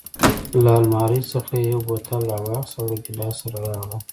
له المارۍ څخه یې یو بوتل راواخیست او له ګیلاس سره راغلل.